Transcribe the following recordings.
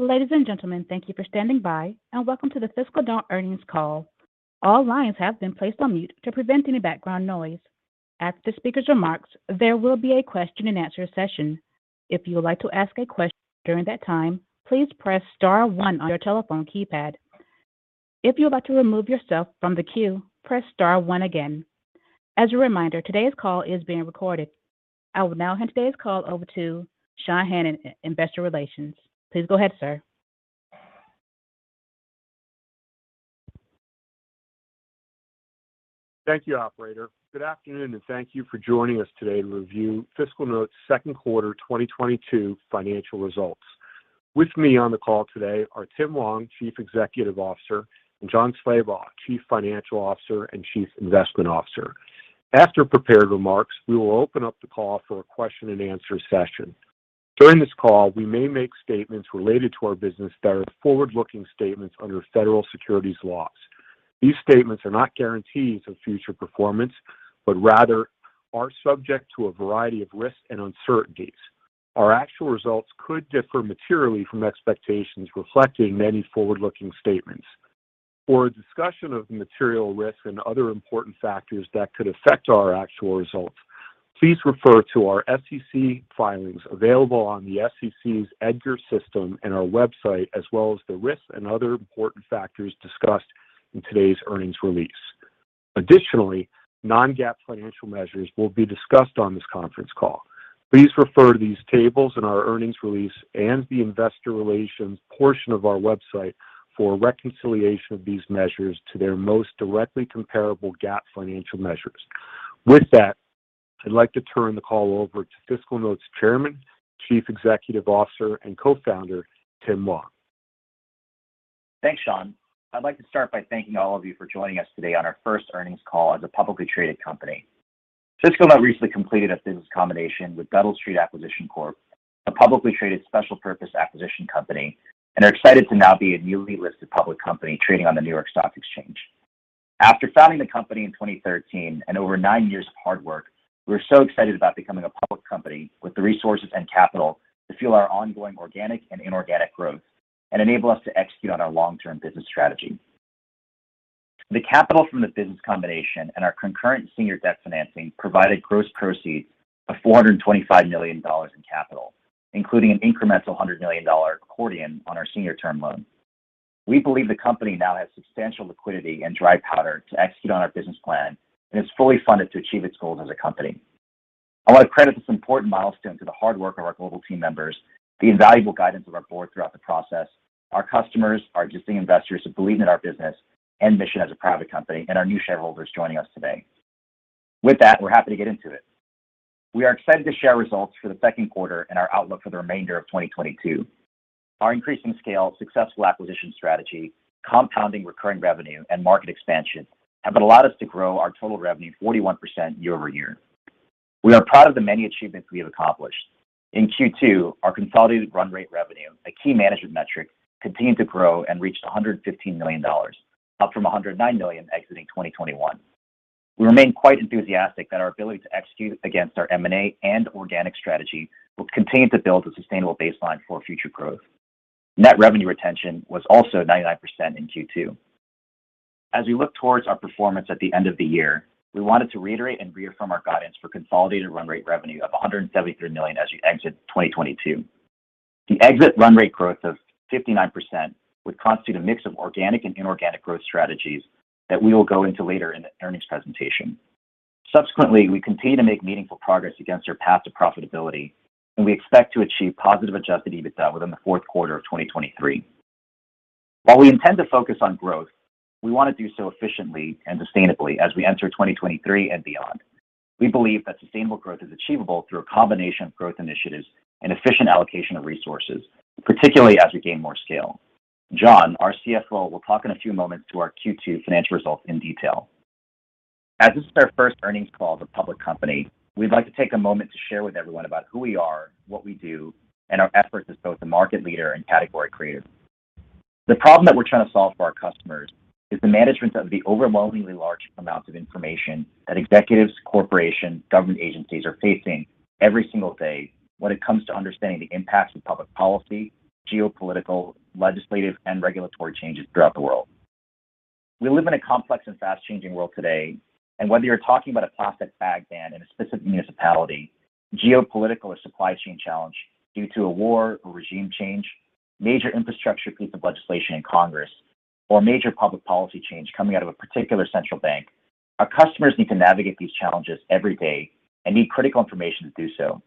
Ladies and gentlemen, thank you for standing by, and welcome to the FiscalNote earnings call. All lines have been placed on mute to prevent any background noise. After the speaker's remarks, there will be a question and answer session. If you would like to ask a question during that time, please press star one on your telephone keypad. If you would like to remove yourself from the queue, press star one again. As a reminder, today's call is being recorded. I will now hand today's call over to Sean Hannan in investor relations. Please go ahead, sir. Thank you, operator. Good afternoon, and thank you for joining us today to review FiscalNote's second quarter 2022 financial results. With me on the call today are Tim Hwang, Chief Executive Officer, and Jon Slabaugh, Chief Financial Officer and Chief Investment Officer. After prepared remarks, we will open up the call for a question and answer session. During this call, we may make statements related to our business that are forward-looking statements under federal securities laws. These statements are not guarantees of future performance, but rather are subject to a variety of risks and uncertainties. Our actual results could differ materially from expectations reflected in any forward-looking statements. For a discussion of the material risks and other important factors that could affect our actual results, please refer to our SEC filings available on the SEC's EDGAR system and our website, as well as the risks and other important factors discussed in today's earnings release. Additionally, non-GAAP financial measures will be discussed on this conference call. Please refer to these tables in our earnings release and the investor relations portion of our website for a reconciliation of these measures to their most directly comparable GAAP financial measures. With that, I'd like to turn the call over to FiscalNote's Chairman, Chief Executive Officer, and Co-founder, Tim Hwang. Thanks, Sean. I'd like to start by thanking all of you for joining us today on our first earnings call as a publicly traded company. FiscalNote recently completed a business combination with Duddell Street Acquisition Corp, a publicly traded special purpose acquisition company, and are excited to now be a newly listed public company trading on the New York Stock Exchange. After founding the company in 2013 and over 9 years of hard work, we're so excited about becoming a public company with the resources and capital to fuel our ongoing organic and inorganic growth and enable us to execute on our long-term business strategy. The capital from the business combination and our concurrent senior debt financing provided gross proceeds of $425 million in capital, including an incremental $100 million accordion on our senior term loan. We believe the company now has substantial liquidity and dry powder to execute on our business plan and is fully funded to achieve its goals as a company. I want to credit this important milestone to the hard work of our global team members, the invaluable guidance of our board throughout the process, our customers, our existing investors who believe in our business and mission as a private company, and our new shareholders joining us today. With that, we're happy to get into it. We are excited to share results for the second quarter and our outlook for the remainder of 2022. Our increasing scale, successful acquisition strategy, compounding recurring revenue, and market expansion have allowed us to grow our total revenue 41% year-over-year. We are proud of the many achievements we have accomplished. In Q2, our consolidated run rate revenue, a key management metric, continued to grow and reached $115 million, up from $109 million exiting 2021. We remain quite enthusiastic that our ability to execute against our M&A and organic strategy will continue to build a sustainable baseline for future growth. Net revenue retention was also 99% in Q2. As we look towards our performance at the end of the year, we wanted to reiterate and reaffirm our guidance for consolidated run rate revenue of $173 million as we exit 2022. The exit run rate growth of 59% would constitute a mix of organic and inorganic growth strategies that we will go into later in the earnings presentation. Subsequently, we continue to make meaningful progress against our path to profitability, and we expect to achieve positive adjusted EBITDA within the fourth quarter of 2023. While we intend to focus on growth, we want to do so efficiently and sustainably as we enter 2023 and beyond. We believe that sustainable growth is achievable through a combination of growth initiatives and efficient allocation of resources, particularly as we gain more scale. Jon, our CFO, will talk in a few moments to our Q2 financial results in detail. As this is our first earnings call as a public company, we'd like to take a moment to share with everyone about who we are, what we do, and our efforts as both a market leader and category creator. The problem that we're trying to solve for our customers is the management of the overwhelmingly large amounts of information that executives, corporations, government agencies are facing every single day when it comes to understanding the impacts of public policy, geopolitical, legislative, and regulatory changes throughout the world. We live in a complex and fast-changing world today, and whether you're talking about a plastic bag ban in a specific municipality, geopolitical or supply chain challenge due to a war or regime change, major infrastructure piece of legislation in Congress, or a major public policy change coming out of a particular central bank, our customers need to navigate these challenges every day and need critical information to do so.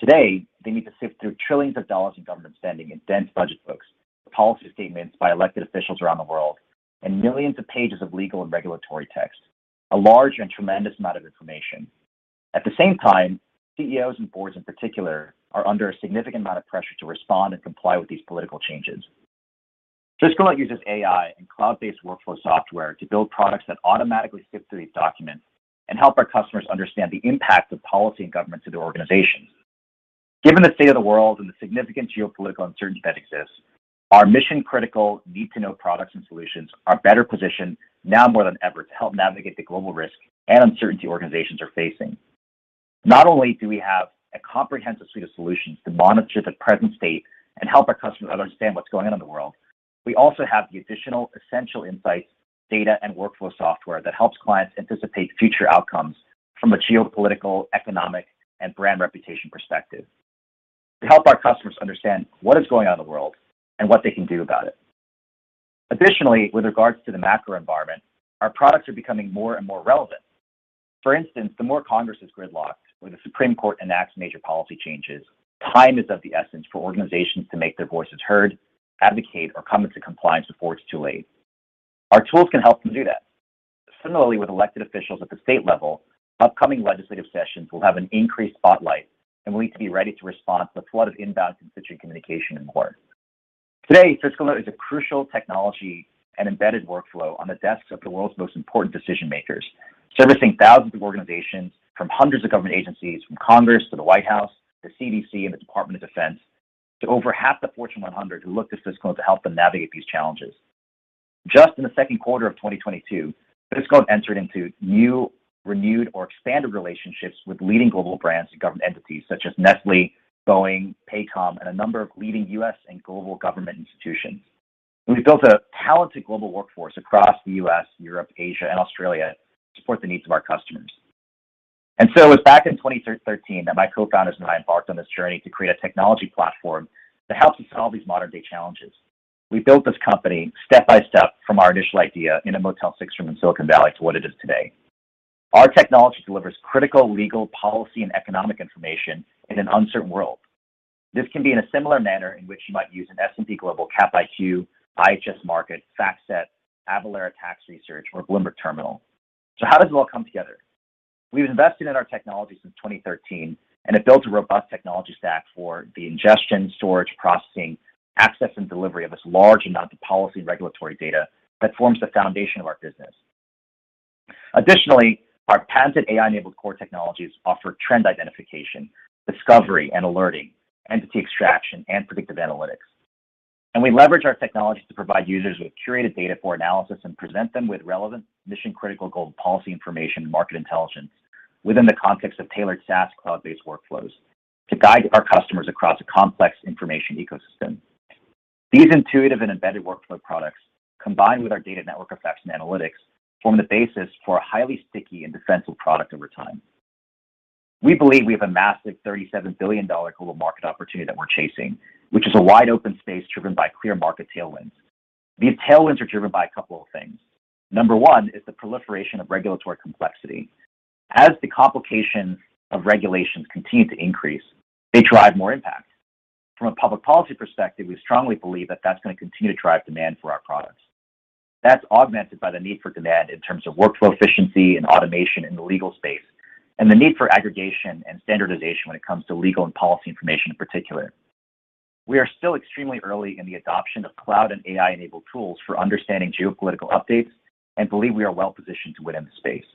Today, they need to sift through trillions of dollars in government spending in dense budget books, policy statements by elected officials around the world, and millions of pages of legal and regulatory text, a large and tremendous amount of information. At the same time, CEOs and boards in particular are under a significant amount of pressure to respond and comply with these political changes. FiscalNote uses AI and cloud-based workflow software to build products that automatically sift through these documents and help our customers understand the impact of policy and government to their organizations. Given the state of the world and the significant geopolitical uncertainty that exists. Our mission-critical need to know products and solutions are better positioned now more than ever to help navigate the global risk and uncertainty organizations are facing. Not only do we have a comprehensive suite of solutions to monitor the present state and help our customers understand what's going on in the world, we also have the additional essential insights, data, and workflow software that helps clients anticipate future outcomes from a geopolitical, economic, and brand reputation perspective. To help our customers understand what is going on in the world and what they can do about it. Additionally, with regards to the macro environment, our products are becoming more and more relevant. For instance, the more Congress is gridlocked or the Supreme Court enacts major policy changes, time is of the essence for organizations to make their voices heard, advocate, or come into compliance before it's too late. Our tools can help them do that. Similarly, with elected officials at the state level, upcoming legislative sessions will have an increased spotlight, and we need to be ready to respond to the flood of inbound constituent communication in short. Today, FiscalNote is a crucial technology and embedded workflow on the desks of the world's most important decision-makers, servicing thousands of organizations from hundreds of government agencies, from Congress to the White House, the CDC, and the Department of Defense, to over half the Fortune 100 who look to FiscalNote to help them navigate these challenges. Just in the second quarter of 2022, FiscalNote entered into new, renewed, or expanded relationships with leading global brands and government entities such as Nestlé, Boeing, Paycom, and a number of leading U.S. and global government institutions. We've built a talented global workforce across the U.S., Europe, Asia, and Australia to support the needs of our customers. It was back in 2013 that my cofounders and I embarked on this journey to create a technology platform to help us solve these modern-day challenges. We built this company step-by-step from our initial idea in a Motel 6 room in Silicon Valley to what it is today. Our technology delivers critical legal, policy, and economic information in an uncertain world. This can be in a similar manner in which you might use an S&P Capital IQ, IHS Markit, FactSet, Avalara Tax Research, or Bloomberg Terminal. How does it all come together? We've invested in our technology since 2013 and have built a robust technology stack for the ingestion, storage, processing, access, and delivery of this large amount of policy and regulatory data that forms the foundation of our business. Additionally, our patented AI-enabled core technologies offer trend identification, discovery and alerting, entity extraction, and predictive analytics. We leverage our technologies to provide users with curated data for analysis and present them with relevant mission-critical global policy information and market intelligence within the context of tailored SaaS cloud-based workflows to guide our customers across a complex information ecosystem. These intuitive and embedded workflow products, combined with our data network effects and analytics, form the basis for a highly sticky and defensible product over time. We believe we have a massive $37 billion global market opportunity that we're chasing, which is a wide-open space driven by clear market tailwinds. These tailwinds are driven by a couple of things. Number one is the proliferation of regulatory complexity. As the complications of regulations continue to increase, they drive more impact. From a public policy perspective, we strongly believe that that's going to continue to drive demand for our products. That's augmented by the need for demand in terms of workflow efficiency and automation in the legal space and the need for aggregation and standardization when it comes to legal and policy information in particular. We are still extremely early in the adoption of cloud and AI-enabled tools for understanding geopolitical updates and believe we are well-positioned to win in the space.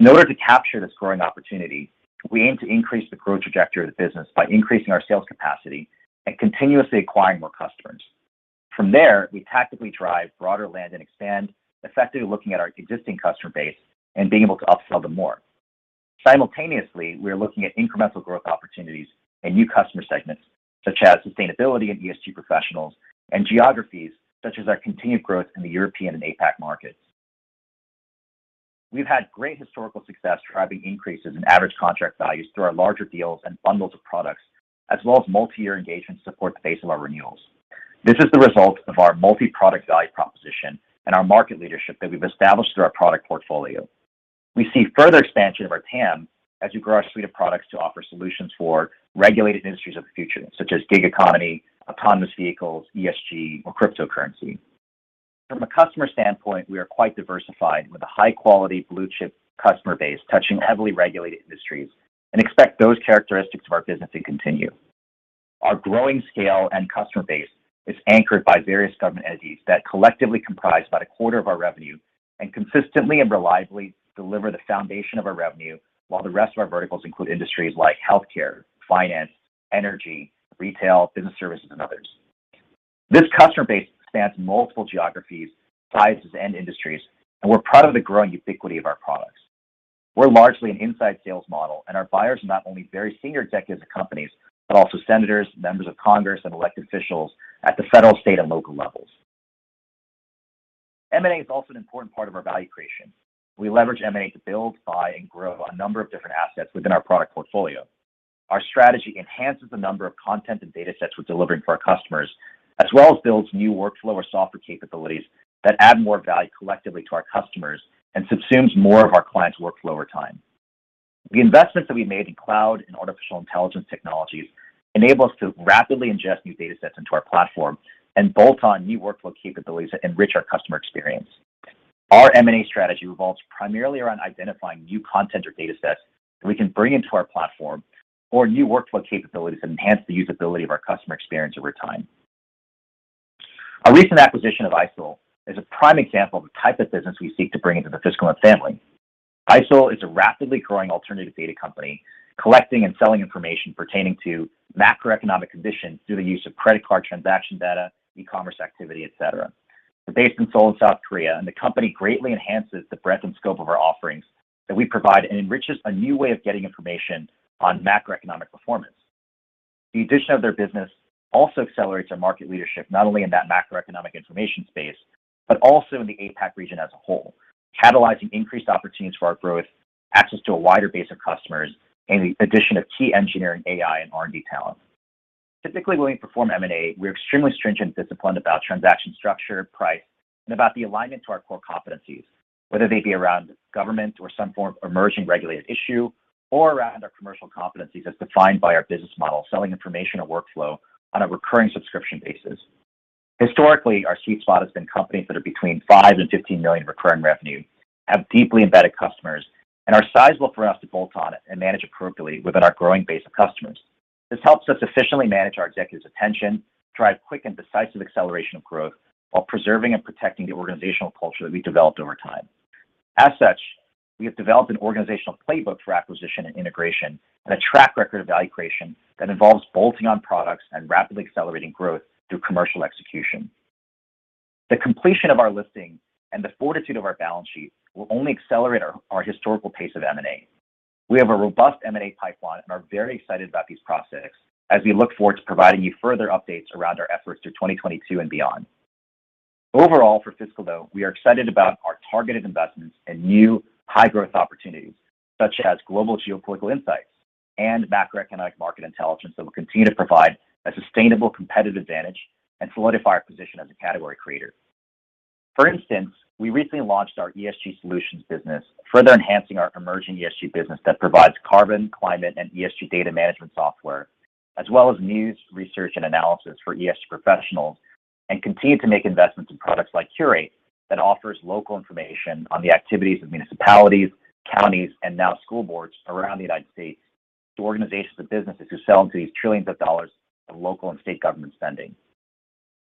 In order to capture this growing opportunity, we aim to increase the growth trajectory of the business by increasing our sales capacity and continuously acquiring more customers. From there, we tactically drive broader land and expand, effectively looking at our existing customer base and being able to upsell them more. Simultaneously, we are looking at incremental growth opportunities and new customer segments such as sustainability and ESG professionals and geographies such as our continued growth in the European and APAC markets. We've had great historical success driving increases in average contract values through our larger deals and bundles of products, as well as multi-year engagements supporting the base of our renewals. This is the result of our multi-product value proposition and our market leadership that we've established through our product portfolio. We see further expansion of our TAM as we grow our suite of products to offer solutions for regulated industries of the future, such as gig economy, autonomous vehicles, ESG, or cryptocurrency. From a customer standpoint, we are quite diversified with a high-quality blue-chip customer base touching heavily regulated industries and expect those characteristics of our business to continue. Our growing scale and customer base is anchored by various government entities that collectively comprise about a quarter of our revenue and consistently and reliably deliver the foundation of our revenue while the rest of our verticals include industries like healthcare, finance, energy, retail, business services, and others. This customer base spans multiple geographies, sizes, and industries, and we're proud of the growing ubiquity of our products. We're largely an inside sales model, and our buyers are not only very senior executives at companies, but also senators, members of Congress, and elected officials at the federal, state, and local levels. M&A is also an important part of our value creation. We leverage M&A to build, buy, and grow a number of different assets within our product portfolio. Our strategy enhances the number of content and datasets we're delivering for our customers, as well as builds new workflow or software capabilities that add more value collectively to our customers and subsumes more of our clients' workflow over time. The investments that we've made in cloud and artificial intelligence technologies enable us to rapidly ingest new datasets into our platform and bolt on new workflow capabilities that enrich our customer experience. Our M&A strategy revolves primarily around identifying new content or datasets that we can bring into our platform or new workflow capabilities that enhance the usability of our customer experience over time. Our recent acquisition of Aicel is a prime example of the type of business we seek to bring into the FiscalNote family. Aicel is a rapidly growing alternative data company, collecting and selling information pertaining to macroeconomic conditions through the use of credit card transaction data, e-commerce activity, et cetera. They're based in Seoul in South Korea, and the company greatly enhances the breadth and scope of our offerings that we provide and enriches a new way of getting information on macroeconomic performance. The addition of their business also accelerates our market leadership, not only in that macroeconomic information space, but also in the APAC region as a whole, catalyzing increased opportunities for our growth, access to a wider base of customers, and the addition of key engineering, AI, and R&D talent. Typically, when we perform M&A, we're extremely stringent and disciplined about transaction structure, price, and about the alignment to our core competencies, whether they be around government or some form of emerging regulated issue or around our commercial competencies as defined by our business model, selling information and workflow on a recurring subscription basis. Historically, our sweet spot has been companies that are between five and $15 million recurring revenue, have deeply embedded customers, and are sizable for us to bolt on and manage appropriately within our growing base of customers. This helps us efficiently manage our executives' attention, drive quick and decisive acceleration of growth while preserving and protecting the organizational culture that we've developed over time. As such, we have developed an organizational playbook for acquisition and integration and a track record of value creation that involves bolting on products and rapidly accelerating growth through commercial execution. The completion of our listing and the fortitude of our balance sheet will only accelerate our historical pace of M&A. We have a robust M&A pipeline and are very excited about these prospects as we look forward to providing you further updates around our efforts through 2022 and beyond. Overall, for FiscalNote, we are excited about our targeted investments in new high-growth opportunities, such as global geopolitical insights and macroeconomic market intelligence that will continue to provide a sustainable competitive advantage and solidify our position as a category creator. For instance, we recently launched our ESG solutions business, further enhancing our emerging ESG business that provides carbon, climate, and ESG data management software, as well as news, research, and analysis for ESG professionals, and continue to make investments in products like Curate that offers local information on the activities of municipalities, counties, and now school boards around the United States to organizations and businesses who sell into these trillions of dollars of local and state government spending.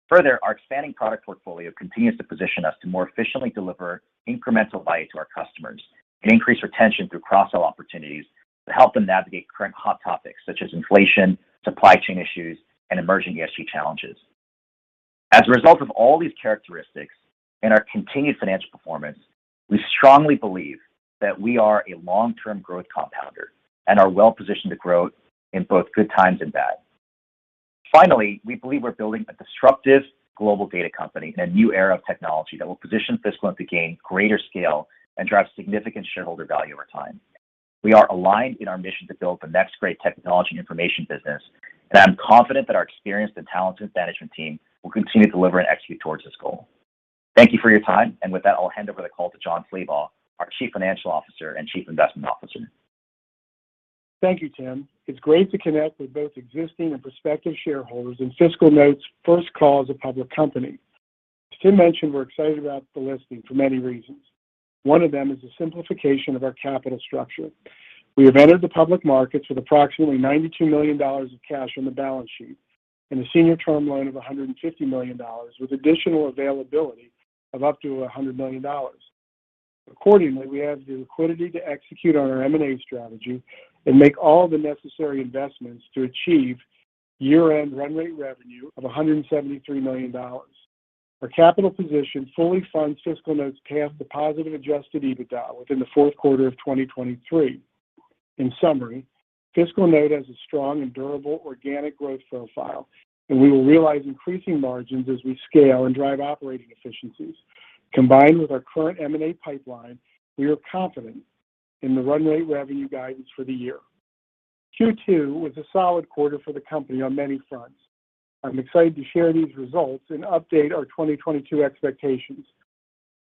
Further, our expanding product portfolio continues to position us to more efficiently deliver incremental value to our customers and increase retention through cross-sell opportunities to help them navigate current hot topics such as inflation, supply chain issues, and emerging ESG challenges. As a result of all these characteristics and our continued financial performance, we strongly believe that we are a long-term growth compounder and are well-positioned to grow in both good times and bad. Finally, we believe we're building a disruptive global data company in a new era of technology that will position FiscalNote to gain greater scale and drive significant shareholder value over time. We are aligned in our mission to build the next great technology information business, and I'm confident that our experienced and talented management team will continue to deliver and execute towards this goal. Thank you for your time, and with that, I'll hand over the call to Jon Slabaugh, our Chief Financial Officer and Chief Investment Officer. Thank you, Tim. It's great to connect with both existing and prospective shareholders in FiscalNote's first call as a public company. As Tim mentioned, we're excited about the listing for many reasons. One of them is the simplification of our capital structure. We have entered the public markets with approximately $92 million of cash on the balance sheet and a senior term loan of $150 million with additional availability of up to $100 million. Accordingly, we have the liquidity to execute on our M&A strategy and make all the necessary investments to achieve year-end run rate revenue of $173 million. Our capital position fully funds FiscalNote's path to positive adjusted EBITDA within the fourth quarter of 2023. In summary, FiscalNote has a strong and durable organic growth profile, and we will realize increasing margins as we scale and drive operating efficiencies. Combined with our current M&A pipeline, we are confident in the run rate revenue guidance for the year. Q2 was a solid quarter for the company on many fronts. I'm excited to share these results and update our 2022 expectations.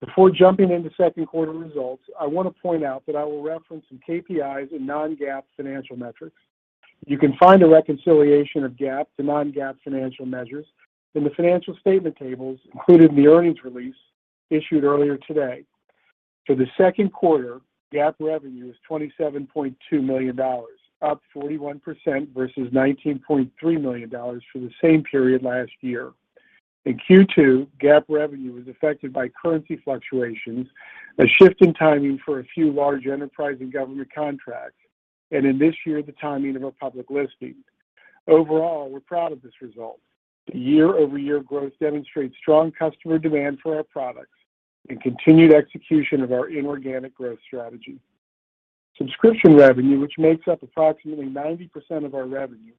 Before jumping into second quarter results, I want to point out that I will reference some KPIs and non-GAAP financial metrics. You can find a reconciliation of GAAP to non-GAAP financial measures in the financial statement tables included in the earnings release issued earlier today. For the second quarter, GAAP revenue was $27.2 million, up 41% versus $19.3 million for the same period last year. In Q2, GAAP revenue was affected by currency fluctuations, a shift in timing for a few large enterprise and government contracts, and in this year, the timing of our public listing. Overall, we're proud of this result. Year-over-year growth demonstrates strong customer demand for our products and continued execution of our inorganic growth strategy. Subscription revenue, which makes up approximately 90% of our revenue,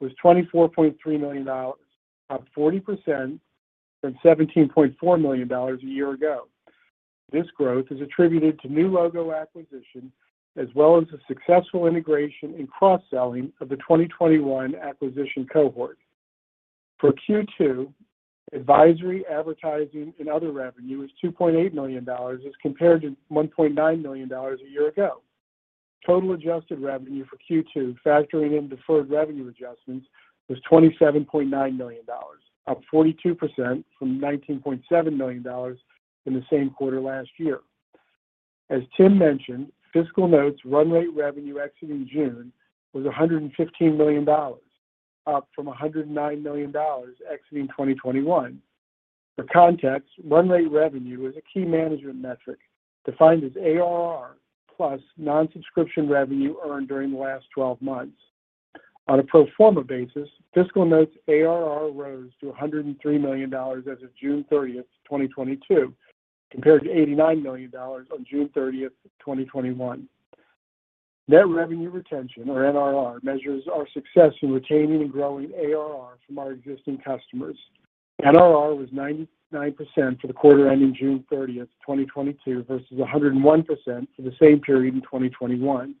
was $24.3 million, up 40% from $17.4 million a year ago. This growth is attributed to new logo acquisition as well as the successful integration and cross-selling of the 2021 acquisition cohort. For Q2, advisory, advertising, and other revenue was $2.8 million as compared to $1.9 million a year ago. Total adjusted revenue for Q2, factoring in deferred revenue adjustments, was $27.9 million, up 42% from $19.7 million in the same quarter last year. As Tim mentioned, FiscalNote's run rate revenue exiting June was $115 million, up from $109 million exiting 2021. For context, run rate revenue is a key management metric defined as ARR plus non-subscription revenue earned during the last twelve months. On a pro forma basis, FiscalNote's ARR rose to $103 million as of June 30th, 2022, compared to $89 million on June 30th, 2021. Net revenue retention, or NRR, measures our success in retaining and growing ARR from our existing customers. NRR was 99% for the quarter ending June thirtieth, 2022, versus 101% for the same period in 2021.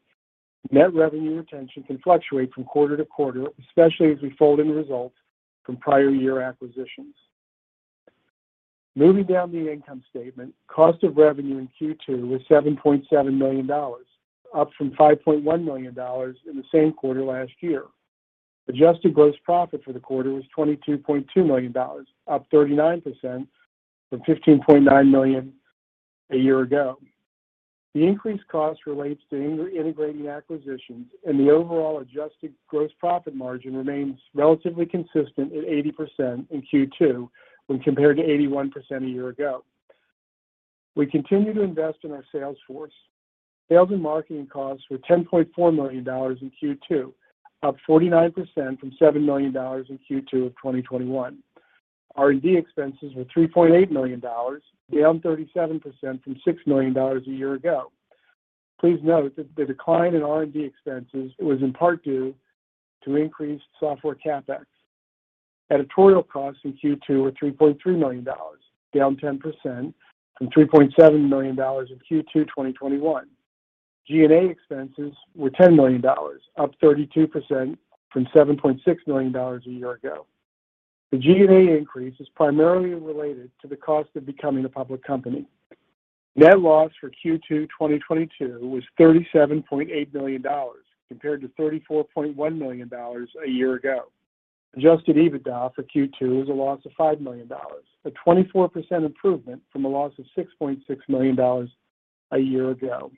Net revenue retention can fluctuate from quarter to quarter, especially as we fold in results from prior year acquisitions. Moving down the income statement, cost of revenue in Q2 was $7.7 million, up from $5.1 million in the same quarter last year. Adjusted gross profit for the quarter was $22.2 million, up 39% from $15.9 million a year ago. The increased cost relates to integrating acquisitions, and the overall adjusted gross profit margin remains relatively consistent at 80% in Q2 when compared to 81% a year ago. We continue to invest in our sales force. Sales and marketing costs were $10.4 million in Q2, up 49% from $7 million in Q2 of 2021. R&D expenses were $3.8 million, down 37% from $6 million a year ago. Please note that the decline in R&D expenses was in part due to increased software CapEx. Editorial costs in Q2 were $3.3 million, down 10% from $3.7 million in Q2 2021. G&A expenses were $10 million, up 32% from $7.6 million a year ago. The G&A increase is primarily related to the cost of becoming a public company. Net loss for Q2 2022 was $37.8 million, compared to $34.1 million a year ago. Adjusted EBITDA for Q2 is a loss of $5 million, a 24% improvement from a loss of $6.6 million a year ago.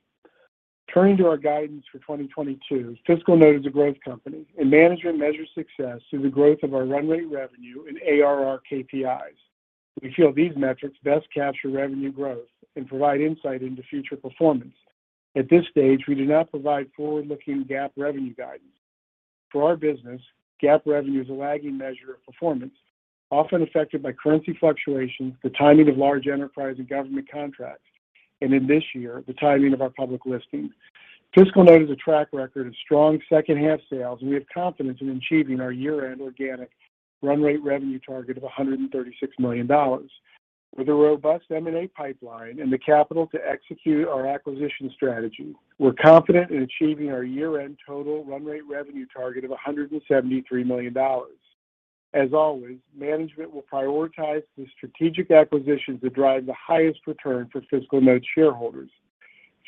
Turning to our guidance for 2022, FiscalNote is a growth company, and management measures success through the growth of our run rate revenue and ARR KPIs. We feel these metrics best capture revenue growth and provide insight into future performance. At this stage, we do not provide forward-looking GAAP revenue guidance. For our business, GAAP revenue is a lagging measure of performance, often affected by currency fluctuations, the timing of large enterprise and government contracts, and in this year, the timing of our public listing. FiscalNote has a track record of strong second-half sales, and we have confidence in achieving our year-end organic run rate revenue target of $136 million. With a robust M&A pipeline and the capital to execute our acquisition strategy, we're confident in achieving our year-end total run rate revenue target of $173 million. As always, management will prioritize the strategic acquisitions that drive the highest return for FiscalNote shareholders.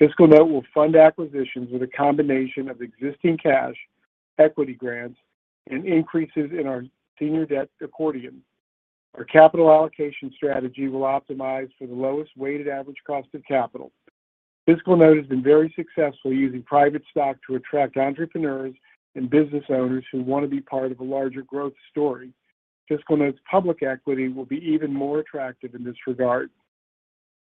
FiscalNote will fund acquisitions with a combination of existing cash, equity grants, and increases in our senior debt accordion. Our capital allocation strategy will optimize for the lowest weighted average cost of capital. FiscalNote has been very successful using private stock to attract entrepreneurs and business owners who want to be part of a larger growth story. FiscalNote's public equity will be even more attractive in this regard.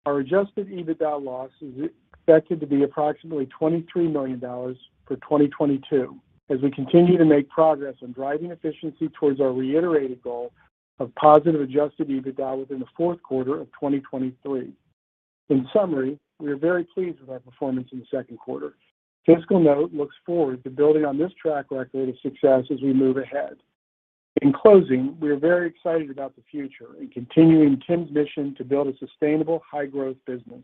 Our adjusted EBITDA loss is expected to be approximately $23 million for 2022 as we continue to make progress on driving efficiency towards our reiterated goal of positive adjusted EBITDA within the fourth quarter of 2023. In summary, we are very pleased with our performance in the second quarter. FiscalNote looks forward to building on this track record of success as we move ahead. In closing, we are very excited about the future and continuing Tim's mission to build a sustainable high-growth business.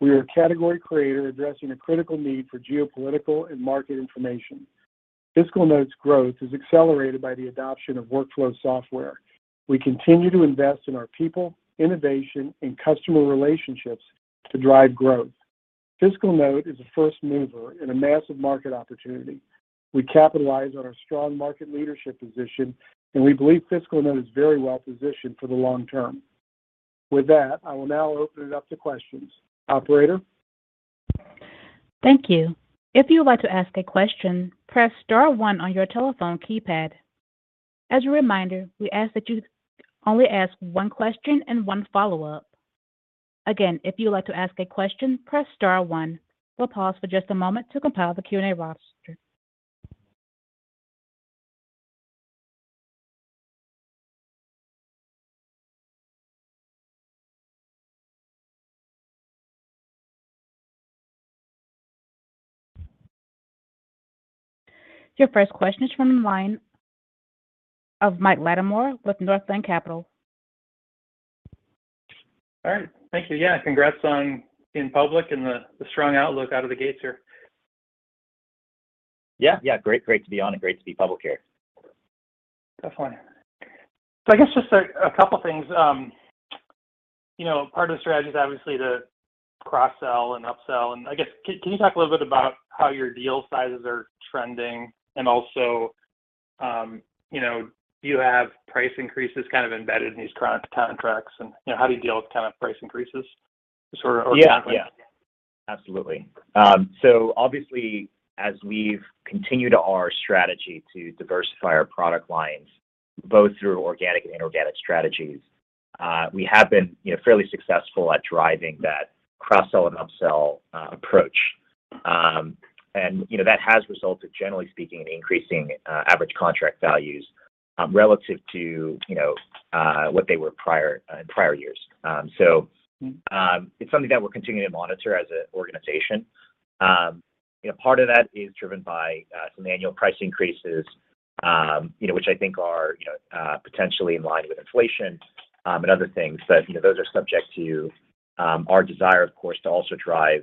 We are a category creator addressing a critical need for geopolitical and market information. FiscalNote's growth is accelerated by the adoption of workflow software. We continue to invest in our people, innovation, and customer relationships to drive growth. FiscalNote is a first mover in a massive market opportunity. We capitalize on our strong market leadership position, and we believe FiscalNote is very well positioned for the long term. With that, I will now open it up to questions. Operator? Thank you. If you would like to ask a question, press star one on your telephone keypad. As a reminder, we ask that you only ask one question and one follow-up. Again, if you would like to ask a question, press star one. We'll pause for just a moment to compile the Q&A roster. Your first question is from the line of Mike Latimore with Northland Capital Markets. All right. Thank you. Yeah, congrats on being public and the strong outlook out of the gates here. Yeah. Great to be on and great to be public here. Definitely. I guess just a couple things. You know, part of the strategy is obviously to cross-sell and upsell, and I guess can you talk a little bit about how your deal sizes are trending and also You know, do you have price increases kind of embedded in these current contracts and, you know, how do you deal with kind of price increases sort of? Yeah. Yeah. Absolutely. Obviously as we've continued our strategy to diversify our product lines both through organic and inorganic strategies, we have been, you know, fairly successful at driving that cross-sell and upsell approach. You know, that has resulted generally speaking in increasing average contract values relative to, you know, what they were prior in prior years. Mm-hmm. It's something that we're continuing to monitor as a organization. You know, part of that is driven by some annual price increases, you know, which I think are, you know, potentially in line with inflation, and other things. You know, those are subject to our desire of course to also drive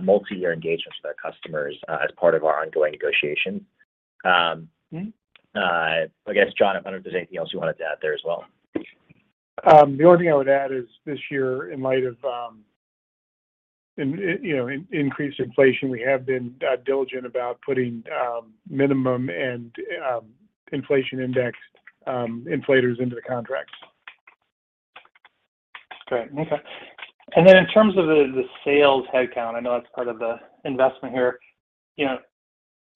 multi-year engagements with our customers, as part of our ongoing negotiations. Mm-hmm. I guess, Jon, I wonder if there's anything else you wanted to add there as well. The only thing I would add is this year in light of, you know, increased inflation, we have been diligent about putting minimum and inflation index inflators into the contracts. Great. Okay. In terms of the sales headcount, I know that's part of the investment here. You know,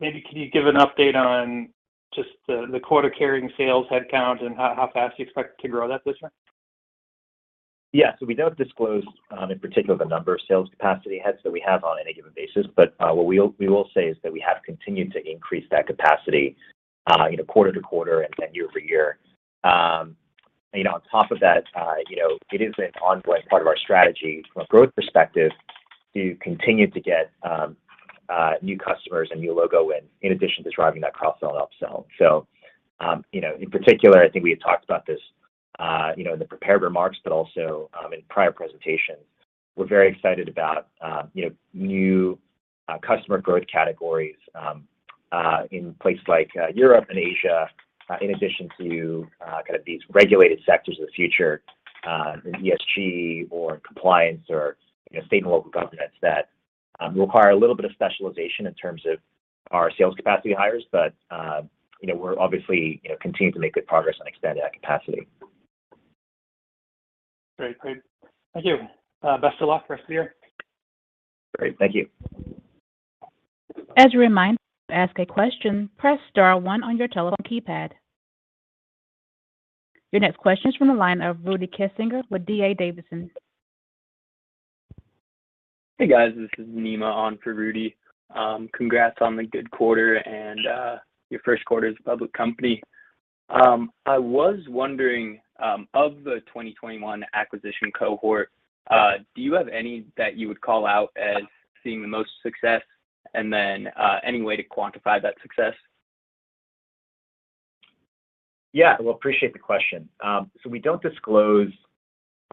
maybe can you give an update on just the quota carrying sales headcount and how fast you expect to grow that this year? Yeah. We don't disclose in particular the number of sales capacity heads that we have on any given basis, but what we will say is that we have continued to increase that capacity, you know, quarter to quarter and then year over year. You know, on top of that, you know, it is an ongoing part of our strategy from a growth perspective to continue to get new customers and new logo in addition to driving that cross-sell and upsell. You know, in particular, I think we had talked about this, you know, in the prepared remarks, but also in prior presentations. We're very excited about, you know, new customer growth categories in places like Europe and Asia in addition to kind of these regulated sectors of the future in ESG or in compliance or, you know, state and local governments that require a little bit of specialization in terms of our sales capacity hires. You know, we're obviously, you know, continuing to make good progress on expanding that capacity. Great. Thank you. Best of luck rest of the year. Great. Thank you. As a reminder, to ask a question, press star one on your telephone keypad. Your next question is from the line of Rudy Kessinger with D.A. Davidson & Co. Hey, guys. This is Nima on for Rudy Kessinger. Congrats on the good quarter and your first quarter as a public company. I was wondering, of the 2021 acquisition cohort, do you have any that you would call out as seeing the most success? Then, any way to quantify that success? Yeah. Well, appreciate the question. We don't disclose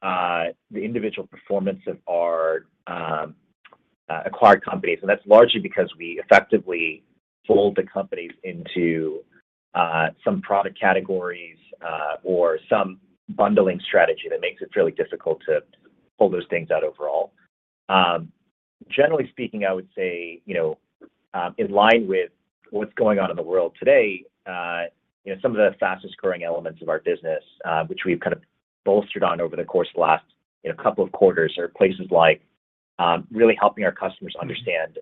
the individual performance of our acquired companies, and that's largely because we effectively fold the companies into some product categories or some bundling strategy that makes it fairly difficult to pull those things out overall. Generally speaking, I would say, you know, in line with what's going on in the world today, you know, some of the fastest-growing elements of our business, which we've kind of bolstered on over the course of the last, you know, couple of quarters are places like, really helping our customers understand,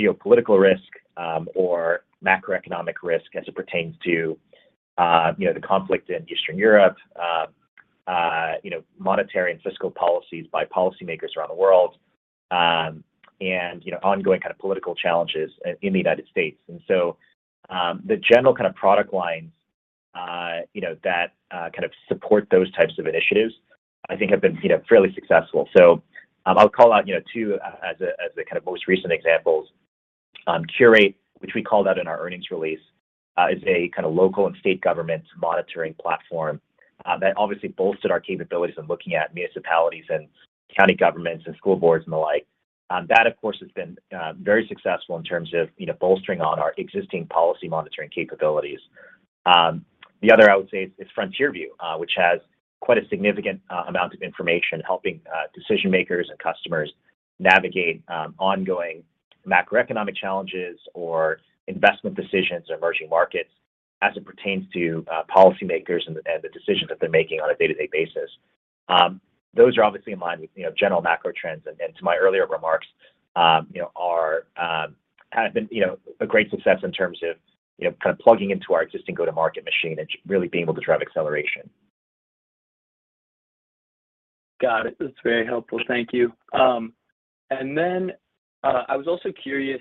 geopolitical risk, or macroeconomic risk as it pertains to, you know, the conflict in Eastern Europe, you know, monetary and fiscal policies by policymakers around the world, and, you know, ongoing kind of political challenges, in the United States. The general kind of product lines, you know, that, kind of support those types of initiatives I think have been, you know, fairly successful. I'll call out, you know, two as a kind of most recent examples. Curate, which we called out in our earnings release, is a kind of local and state government monitoring platform that obviously bolstered our capabilities in looking at municipalities and county governments and school boards and the like. That of course has been very successful in terms of, you know, bolstering on our existing policy monitoring capabilities. The other I would say is FrontierView, which has quite a significant amount of information helping decision-makers and customers navigate ongoing macroeconomic challenges or investment decisions in emerging markets as it pertains to policymakers and the decisions that they're making on a day-to-day basis. Those are obviously in line with, you know, general macro trends, and to my earlier remarks, have been, you know, a great success in terms of, you know, kind of plugging into our existing go-to-market machine and really being able to drive acceleration. Got it. That's very helpful. Thank you. I was also curious,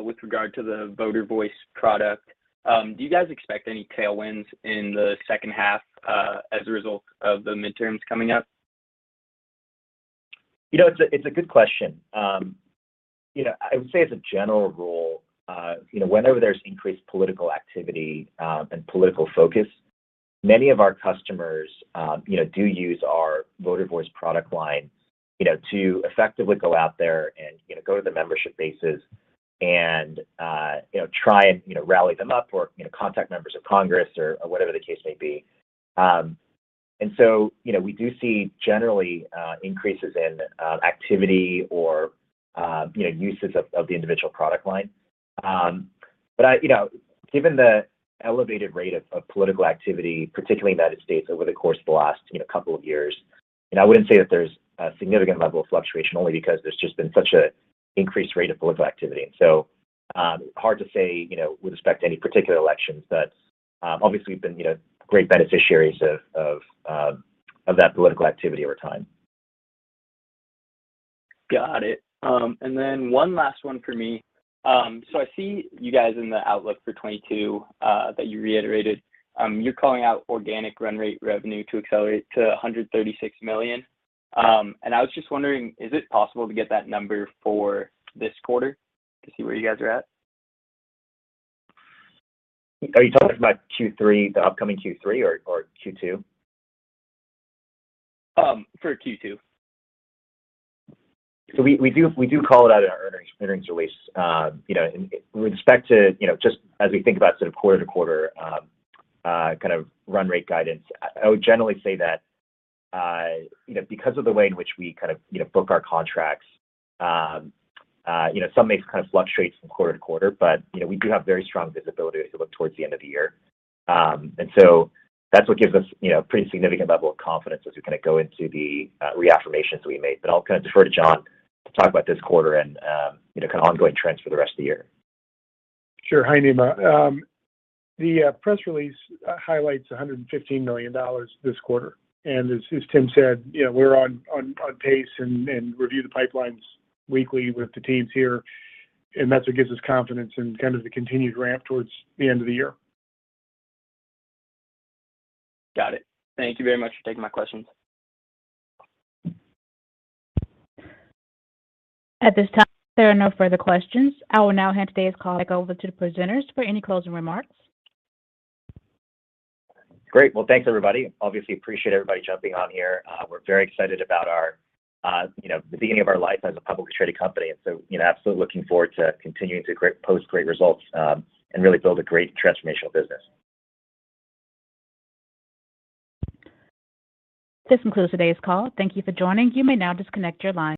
with regard to the VoterVoice product, do you guys expect any tailwinds in the second half, as a result of the midterms coming up? You know, it's a good question. You know, I would say as a general rule, you know, whenever there's increased political activity and political focus, many of our customers, you know, do use our VoterVoice product line, you know, to effectively go out there and, you know, go to the membership bases and, you know, try and, you know, rally them up or, you know, contact members of Congress or whatever the case may be. You know, we do see generally increases in activity or, you know, usage of the individual product line. I, you know, given the elevated rate of political activity, particularly in the United States over the course of the last, you know, couple of years, you know, I wouldn't say that there's a significant level of fluctuation only because there's just been such a increased rate of political activity. Hard to say, you know, with respect to any particular elections. Obviously we've been, you know, great beneficiaries of that political activity over time. Got it. One last one for me. I see you guys in the outlook for 2022, that you reiterated, you're calling out organic run rate revenue to accelerate to $136 million. I was just wondering, is it possible to get that number for this quarter to see where you guys are at? Are you talking about Q3, the upcoming Q3 or Q2? For Q2. We do call it out in our earnings release. You know, with respect to, you know, just as we think about sort of quarter to quarter, kind of run rate guidance, I would generally say that, you know, because of the way in which we kind of, you know, book our contracts, you know, some may kind of fluctuate from quarter to quarter, but, you know, we do have very strong visibility as we look towards the end of the year. That's what gives us, you know, pretty significant level of confidence as we kinda go into the reaffirmations we made. I'll kind of defer to Jon to talk about this quarter and, you know, kind of ongoing trends for the rest of the year. Sure. Hi, Nima. The press release highlights $115 million this quarter. As Tim said, you know, we're on pace and review the pipelines weekly with the teams here, and that's what gives us confidence in kind of the continued ramp towards the end of the year. Got it. Thank you very much for taking my questions. At this time, there are no further questions. I will now hand today's call back over to the presenters for any closing remarks. Great. Well, thanks everybody. Obviously, appreciate everybody jumping on here. We're very excited about our, you know, the beginning of our life as a publicly traded company. You know, absolutely looking forward to continuing to post great results, and really build a great transformational business. This concludes today's call. Thank you for joining. You may now disconnect your line.